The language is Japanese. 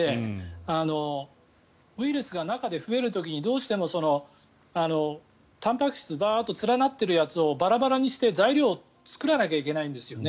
プロテアーゼ阻害薬といってウイルスが中で増える時にどうしてもたんぱく質が連なっているやつをバラバラにして材料を作らなきゃいけないんですよね。